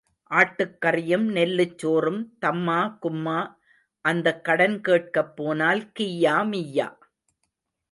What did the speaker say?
ஆட்டுக் கறியும் நெல்லுச் சோறும் தம்மா கும்மா அந்தக் கடன் கேட்கப் போனால் கிய்யா மிய்யா.